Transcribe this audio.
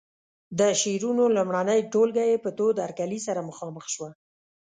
د شعرونو لومړنۍ ټولګه یې په تود هرکلي سره مخامخ شوه.